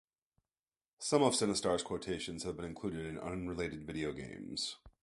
Some of Sinistar's quotations have been included in unrelated video games.